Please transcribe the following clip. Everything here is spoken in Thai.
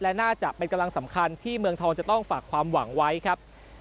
และน่าจะเป็นกำลังสำคัญที่เมืองทองจะต้องฝากความหวังไว้ครับ